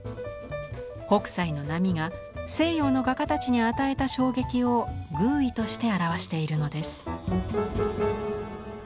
北斎の波が西洋の画家たちに与えた衝撃をぐう意として表しているのです。